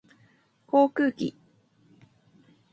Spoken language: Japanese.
航空機